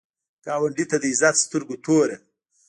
ګاونډي ته د عزت سترګو ګوره